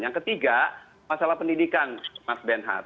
yang ketiga masalah pendidikan mas benhard